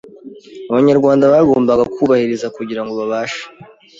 abanyarwanda bagombaga kubahiriza kugira ngo babashe